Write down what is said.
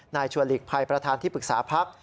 ชัวร์หลีกภัยประธานที่ปรึกษาพัก